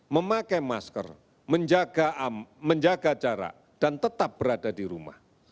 memakai masker menjaga jarak dan tetap berada di rumah